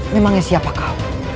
memangnya siapa kau